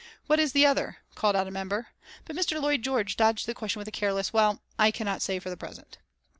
"What is the other?" called out a member, but Mr. Lloyd George dodged the question with a careless "Well, I cannot say for the present."